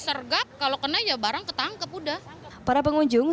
mereka menganggap kemampuan penerbangan